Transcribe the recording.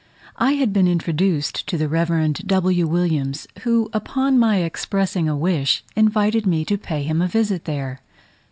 I had been introduced to the Rev. W. Williams, who, upon my expressing a wish, invited me to pay him a visit there.